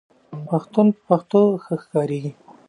پښتون په پښتو ښه ښکاریږي